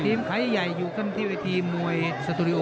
ทีมขาย่ายอยู่กันที่ไว้ทีมมุยสตูดิโอ